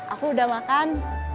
aku udah makan